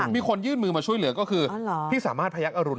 มีคนยื่นมือมาช่วยเหลือก็คือพี่สามารถพยักษรุณ